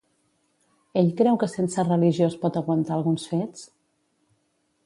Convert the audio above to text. Ell creu que sense religió es pot aguantar alguns fets?